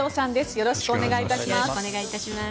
よろしくお願いします。